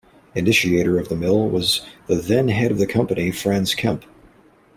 Initiator of the mill was the then head of the company Frans Kempe.